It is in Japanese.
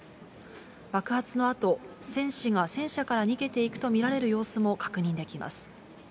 爆発のあと、戦士が戦車から逃げていくと見られる様子も確認できます。